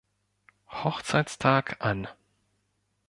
Hochzeitstag an.